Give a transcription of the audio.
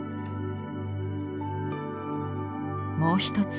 もう一つ。